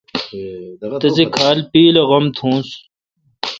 تسے کھال پیل اے°غم تھونس۔